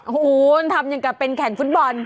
โอ้โหมันทำอย่างกับเป็นแข่งฟุตบอล